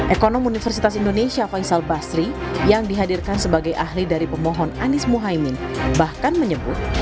ekonom universitas indonesia faisal basri yang dihadirkan sebagai ahli dari pemohon anies muhaymin bahkan menyebut